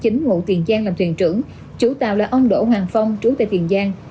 ngụ tiền giang làm thuyền trưởng chủ tàu là ông đỗ hoàng phong trú tại tiền giang